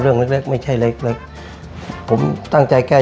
คุณพ่อมีลูกทั้งหมด๑๐ปี